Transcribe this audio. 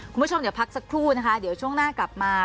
คุณผู้ชมเดี๋ยวพักสักครู่นะคะเดี๋ยวช่วงหน้ากลับมา